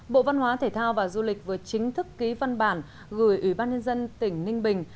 bộ văn hóa thể thao và du lịch vừa chính thức ký văn bản gửi ủy ban nhân dân tỉnh ninh bình